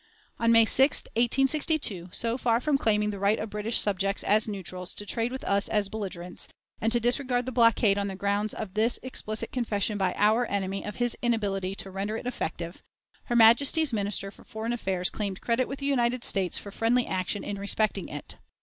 On May 6, 1862, so far from claiming the right of British subjects as neutrals to trade with us as belligerents, and to disregard the blockade on the ground of this explicit confession by our enemy of his inability to render it effective, her Majesty's Minister for Foreign Affairs claimed credit with the United States for friendly action in respecting it.